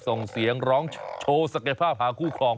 ส่งเสียงร้องโชว์ส่งร้องโชว์ศักยภาพหากู้ครอง